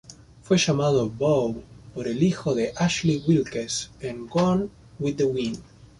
Fue llamado "Beau" por el hijo de Ashley Wilkes en "Gone with the Wind".